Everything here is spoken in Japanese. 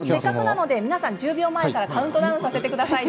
せっかくなので皆さん、カウントダウンさせてください。